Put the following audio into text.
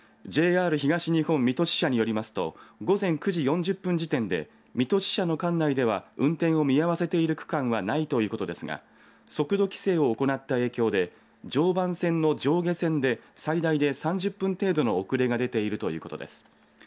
ＪＲ東日本水戸支社によりますと午前９時４０分時点で水戸支社の管内では運転を見合わせている区間はないということですが速度規制を行った影響で常磐線の上下線で最大で３０分程度の遅れが出ているということです。